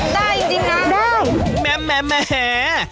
ได้จริงนะได้แม่แม่แห่